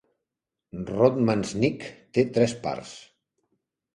Rodman's Neck té tres prats.